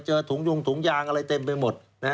ถุงยุงถุงยางอะไรเต็มไปหมด